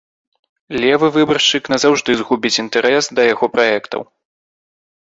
Левы выбаршчык назаўжды згубіць інтарэс да яго праектаў.